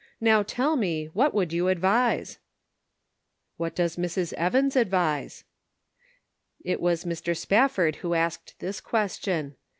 Now, tell me, what would you advise ?"" What does Mrs. Evans advise ?" It was Mr. Spafford who asked this question.